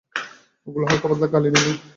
ওগুলো হালকাপাতলা গালি নয় ম্যাম।